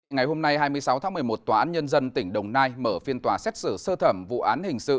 ngày hôm nay hai mươi sáu tháng một mươi một tòa án nhân dân tỉnh đồng nai mở phiên tòa xét xử sơ thẩm vụ án hình sự